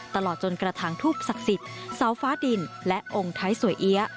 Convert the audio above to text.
ตลอดจนกระถางทูบศักดิ์สิทธิ์เสาฟ้าดินและองค์ไทยสวยเอี๊ยะ